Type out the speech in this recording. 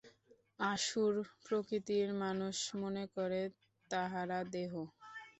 আসুর প্রকৃতির মানুষ মনে করে তাহারা দেহ।